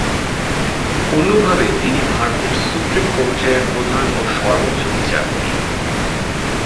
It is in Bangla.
অন্যভাবে তিনি ভারতের সুপ্রিম কোর্টের প্রধান ও সর্ব্বোচ্চ বিচারপতি।